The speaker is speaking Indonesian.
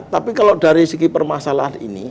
tapi kalau dari segi permasalahan ini